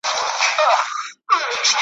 چي بل چاته څوک کوهی کیني ورلویږي `